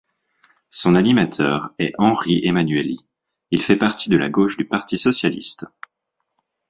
Son animateur est Henri Emmanuelli, il fait partie de la gauche du Parti socialiste.